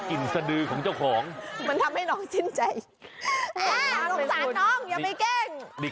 กลิ่นดือเป็นเหตุสังเกตได้